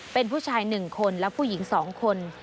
เป็นผู้ชาย๑คนและผู้หญิง๒คน